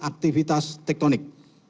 tersebut adalah tektonik